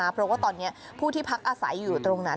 เพราะว่าตอนนี้ผู้ที่พักอาศัยอยู่ตรงนั้น